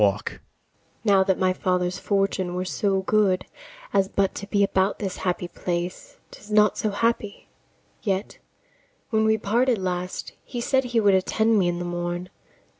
Now that my father's fortune were so good As but to be about this happy place! 'Tis not so happy: yet, when we parted last, He said he would attend me in the morn.